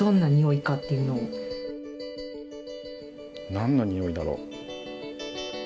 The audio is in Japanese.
何のにおいだろう。